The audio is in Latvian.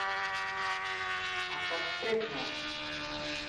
Apsardzes priekšnieks.